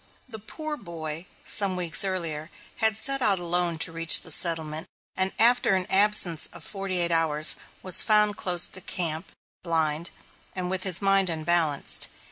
The poor boy, some weeks earlier, had set out alone to reach the settlement, and after an absence of forty eight hours was found close to camp, blind, and with his mind unbalanced.